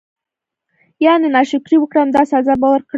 يعني نا شکري وکړه نو داسي عذاب به ورکړم چې